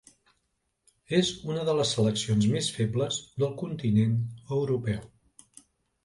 És una de les seleccions més febles del continent europeu.